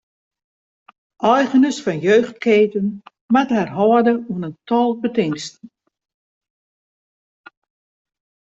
Eigeners fan jeugdketen moatte har hâlde oan in tal betingsten.